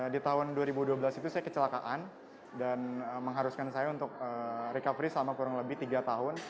di tahun dua ribu dua belas itu saya kecelakaan dan mengharuskan saya untuk recovery selama kurang lebih tiga tahun